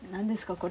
これ。